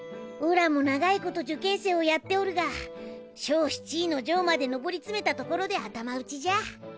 オラも長いこと受験生をやっておるが正七位上まで昇り詰めたところで頭打ちじゃ。